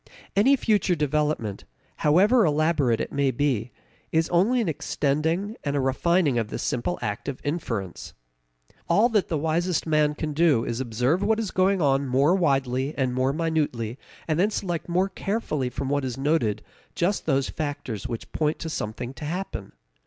Any future development, however elaborate it may be, is only an extending and a refining of this simple act of inference. All that the wisest man can do is to observe what is going on more widely and more minutely and then select more carefully from what is noted just those factors which point to something to happen.